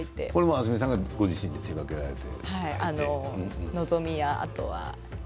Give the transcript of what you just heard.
明日海さんがご自身で手がけられて。